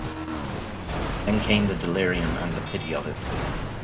Then came the delirium and the pity of it.